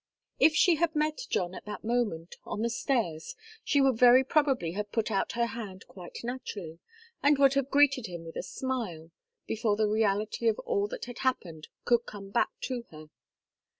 If she had met John at that moment, on the stairs, she would very probably have put out her hand quite naturally, and would have greeted him with a smile, before the reality of all that had happened could come back to her.